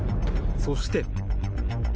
そして。